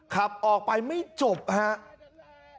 ขับออกไปไม่จบครับ